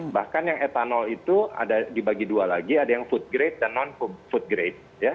bahkan yang etanol itu ada dibagi dua lagi ada yang food grade dan non food grade